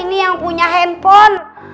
ini yang punya handphone